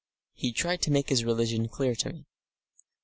He tried to make his religion clear to me.